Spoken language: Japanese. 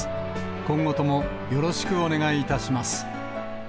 今後ともよろしくお願いいたします。